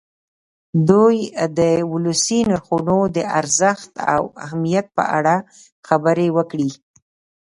دوی دې د ولسي نرخونو د ارزښت او اهمیت په اړه خبرې وکړي.